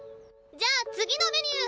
じゃあ次のメニュー！